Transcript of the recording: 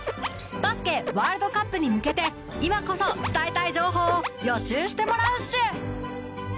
バスケワールドカップに向けて今こそ伝えたい情報を予習してもらうっシュ！